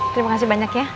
terima kasih banyak ya